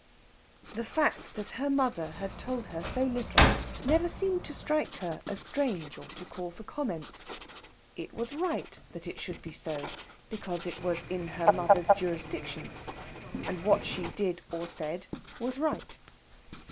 The fact that her mother had told her so little never seemed to strike her as strange or to call for comment. It was right that it should be so, because it was in her mother's jurisdiction, and what she did or said was right.